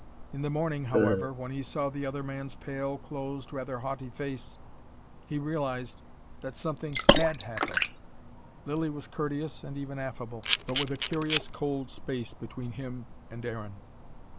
In the morning, however, when he saw the other man's pale, closed, rather haughty face, he realised that something had happened. Lilly was courteous and even affable: but with a curious cold space between him and Aaron.